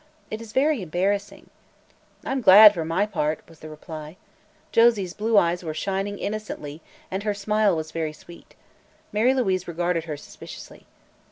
It is very embarrassing." "I'm glad, for my part," was the reply. Josie's blue eyes were shining innocently and her smile was very sweet. Mary Louise regarded her suspiciously.